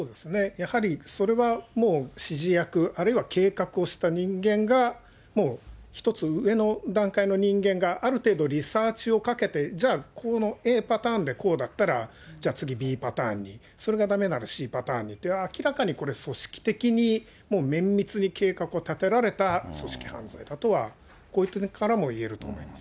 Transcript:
やはりそれはもう、指示役、あるいは計画した人間が、もう、１つ上の人間がある程度リサーチをかけて、じゃあ、Ａパターンでこうだったら、じゃあ次、Ｂパターンに、それがだめならＣパターンにという、これ、明らかに組織的に、もう綿密に計画を立てられた組織犯罪だとは、こういった点からもいえると思います。